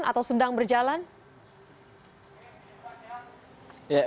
atau sedang berjalan